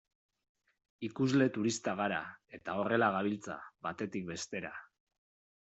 Ikusle turistak gara, eta horrela gabiltza, batetik bestera.